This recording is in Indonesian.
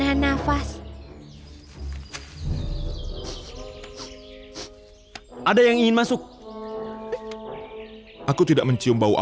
setiap hero disini juga memiliki mainan yang sama